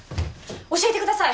教えてください